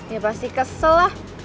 ya pasti kesel lah